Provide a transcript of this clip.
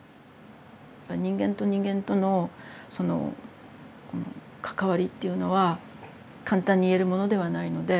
人間と人間とのそのこの関わりっていうのは簡単に言えるものではないので。